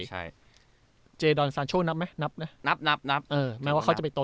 ใช่เจดอนซานโชนับไหมนับนะนับนับนับเออแม้ว่าเขาจะไปโต